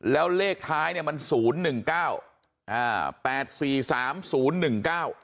แล้วเลขท้ายเนี่ยมัน๐๑๙